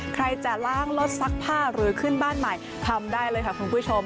ใครจะล้างรถซักผ้าหรือขึ้นบ้านใหม่ทำได้เลยค่ะคุณผู้ชม